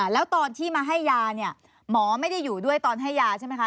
แล้วตอนที่มาให้ยาเนี่ยหมอไม่ได้อยู่ด้วยตอนให้ยาใช่ไหมคะ